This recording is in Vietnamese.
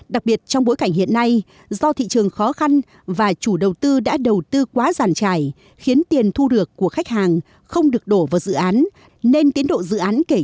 đặc biệt trong bối cảnh hiện nay do thị trường khó khăn và chủ đầu tư đã đầu tư quá giàn trải khiến tiền thu được của khách hàng không được đổ vào dự án nên tiến độ dự án kể trên gần như bất động